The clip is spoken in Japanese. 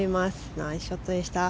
ナイスショットでした。